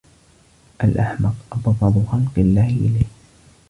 الْأَحْمَقُ أَبْغَضُ خَلْقِ اللَّهِ إلَيْهِ